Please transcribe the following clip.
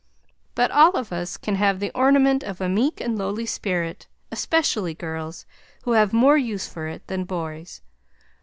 But all of us can have the ornament of a meek and lowly spirit, especially girls, who have more use for it than boys.